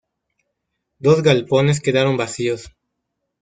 Dos galpones quedaron vacíos.